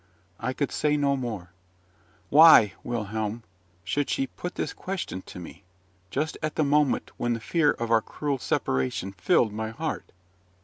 I could say no more. Why, Wilhelm, should she put this question to me, just at the moment when the fear of our cruel separation filled my heart?